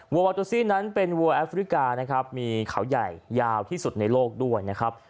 วอโตซี่นั้นเป็นวัวแอฟริกานะครับมีเขาใหญ่ยาวที่สุดในโลกด้วยนะครับ